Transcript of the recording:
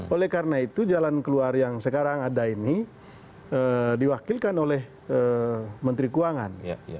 oleh karena itu jalan keluar yang sekarang ada ini diwakilkan oleh menteri keuangan